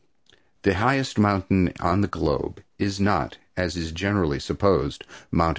The highest mountain on the globe is not, as is generally supposed, Mt.